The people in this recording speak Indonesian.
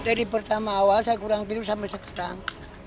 dari pertama awal saya kurang tidur sampai sekarang